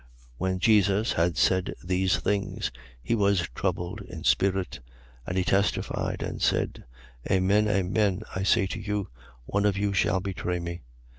13:21. When Jesus had said these things, he was troubled in spirit; and he testified, and said: Amen, amen, I say to you, one of you shall betray me.